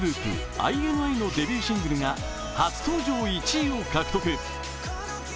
ＩＮＩのデビューシングルが初登場１位を獲得。